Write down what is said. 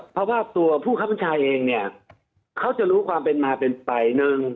เพราะว่าตัวผู้คับบัญชาเองเนี่ยเขาจะรู้ความเป็นมาเป็นไปหนึ่ง